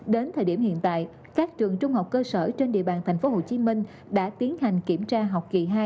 đến thời điểm hiện tại các trường trung học cơ sở trên địa bàn tp hcm đã tiến hành kiểm tra học kỳ hai